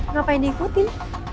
ngapain di ikutin